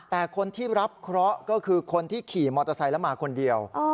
แต่คนที่รับเคราะห์ก็คือคนที่ขี่มอเตอร์ไซค์แล้วมาคนเดียว